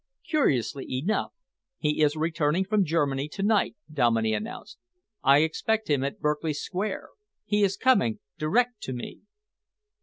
"Curiously enough, he is returning from Germany to night," Dominey announced. "I expect him at Berkeley square. He is coming direct to me."